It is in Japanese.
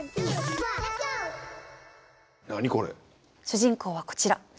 主人公はこちら。